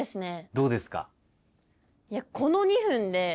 どうですか？